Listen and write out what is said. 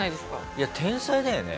いや天才だよね。